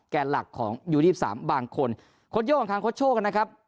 แก่หลักของยูสิบสามบางคนคดโย่ของทางคดโชคนะครับ